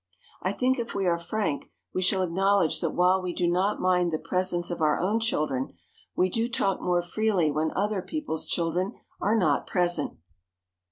I think if we are frank we shall acknowledge that while we do not mind the presence of our own children, we do talk more freely when other people's children are not present.